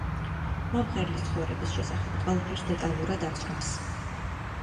მომღერლის ცხოვრების შესახებ ყველაფერს დეტალურად აცნობს.